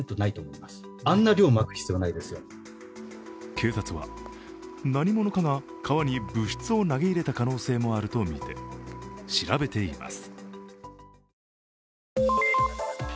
警察は何者かが川に物質を投げ入れた可能性もあるとみて調べています。